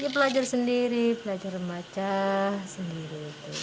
belajar sendiri belajar remaja sendiri